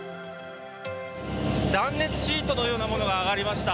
断熱シートのようなものが揚がりました。